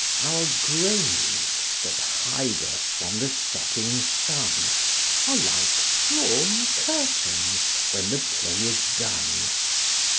Our graves that hide us from the setting sun Are like drawn curtains when the play is done.